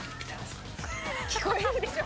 聞こえるでしょ。